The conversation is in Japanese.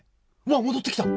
わあ戻ってきた！